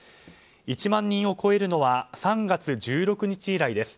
１万人を超えるのは３月１６日以来です。